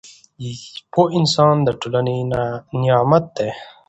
پوه انسان د ټولنې نعمت دی